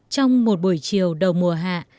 trong một bủi trường đầu mùa hạ